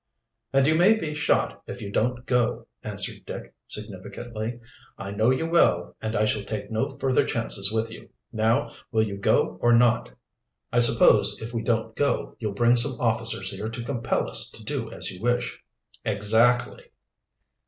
"And you may be shot if you don't go," answered Dick significantly. "I know you well, and I shall take no further chances with you. Now will you go or not?" "I suppose, if we don't go, you'll bring some officers here to compel us to do as you wish." "Exactly."